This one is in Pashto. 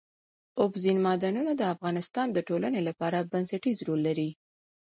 اوبزین معدنونه د افغانستان د ټولنې لپاره بنسټيز رول لري.